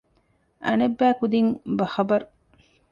އަނެއްބައިކުދިން ބަޚަބަރު